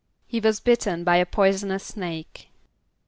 =He was bitten by a poisonous snake.